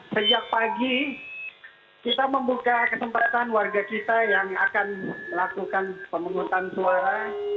sejak pagi kita membuka kesempatan warga kita yang akan melakukan pemungutan suara